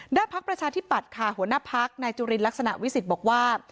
พักประชาธิปัตย์ค่ะหัวหน้าพักนายจุลินลักษณะวิสิทธิ์บอกว่า